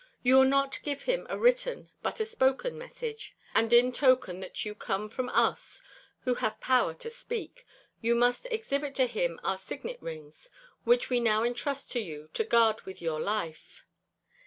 You will not give him a written but a spoken message. And in token that you come from us who have power to speak, you must exhibit to him our signet rings, which we now entrust to you to guard with your life.